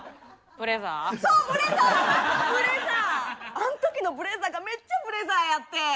あん時のブレザーがめっちゃブレザーやってん。